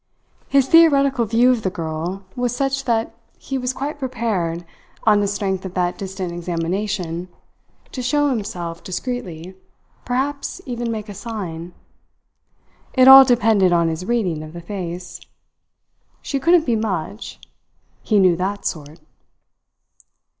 His theoretical view of the girl was such that he was quite prepared, on the strength of that distant examination, to show himself discreetly perhaps even make a sign. It all depended on his reading of the face. She couldn't be much. He knew that sort!